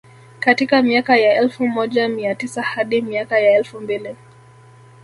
Katika miaka ya elfu moja mia tisa hadi miaka ya elfu mbili